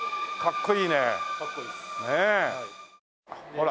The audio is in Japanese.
ほら。